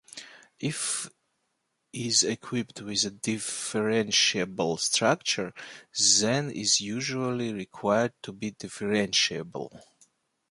If is equipped with a differentiable structure, then is usually required to be differentiable.